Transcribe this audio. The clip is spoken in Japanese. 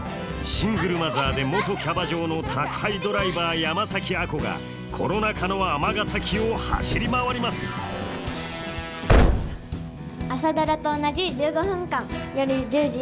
シングルマザーで元キャバ嬢の宅配ドライバー山崎亜子がコロナ禍の尼崎を走り回ります「朝ドラ」と同じ１５分間。